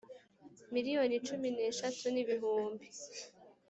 miliyoni cumi n eshatu n ibihumbi